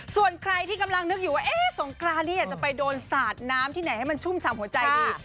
ส่วนใครที่กำลังนึกอยู่ว่าเอ๊ะสงกรานนี้อยากจะไปโดนสาดน้ำที่ไหนให้มันชุ่มฉ่ำหัวใจดี